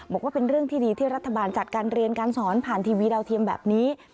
บอกว่าเป็นเรื่องที่ดีที่รัฐบาลจัดการเรียนการสอนผ่านทีวีดาวเทียมแบบนี้